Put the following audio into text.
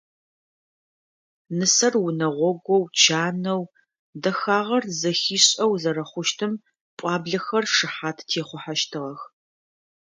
Нысэр унэгъогоу, чанэу, дэхагъэр зэхишӏэу зэрэхъущтым пӏуаблэхэр шыхьат техъухьэщтыгъэх.